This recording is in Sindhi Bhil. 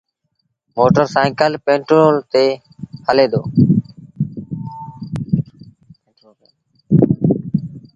موٽر سآئيٚڪل پيٽرو تي هلي دو۔